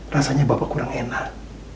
rasanya bapak kurang enak